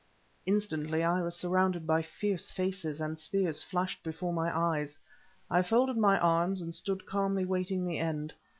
Instantly I was surrounded by fierce faces, and spears flashed before my eyes. I folded my arms and stood calmly waiting the end.